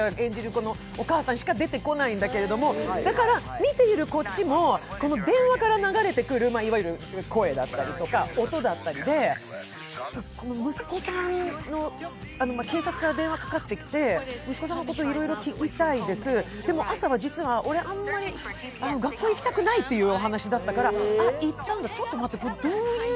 このお母さんしか出てこないんだけど、だから見ているこっちも電話から流れてくるいわゆる声だったりとか、音だったりで、警察から電話かかってきて息子さんのこといろいろ聞きたいです、でも、朝は俺、あんまり学校行きたくないっていう話だったから、あ、行ったんだ、ちょっと待って、これどういう？